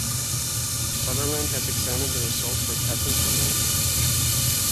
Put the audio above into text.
Sutherland has examined the results for peasants and landlords.